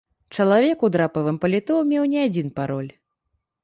Чалавек у драпавым паліто меў не адзін пароль.